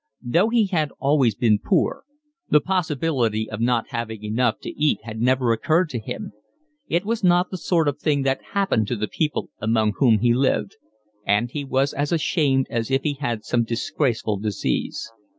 Though he had always been poor, the possibility of not having enough to eat had never occurred to him; it was not the sort of thing that happened to the people among whom he lived; and he was as ashamed as if he had some disgraceful disease.